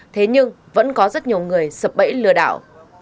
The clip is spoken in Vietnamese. thế nhưng vẫn có rất nhiều người sập bẫy lừa đảo